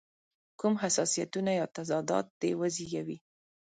کوم حساسیتونه یا تضادات دې وزېږوي.